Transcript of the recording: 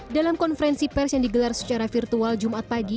dalam konferensi pers yang digelar secara virtual jumat pagi